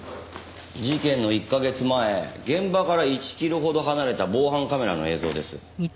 事件の１カ月前現場から１キロほど離れた防犯カメラの映像です。